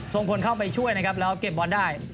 ส่งคนเข้าไปช่วยนะครับแล้วเก็บบอลได้